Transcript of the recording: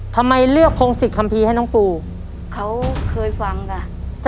ทำไมเลือกพงศิษยคัมภีร์ให้น้องปูเขาเคยฟังค่ะ